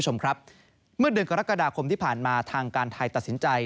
เมื่อเดือนกรกฎาคมที่ผ่านมาทางการไทยตัดสินใจ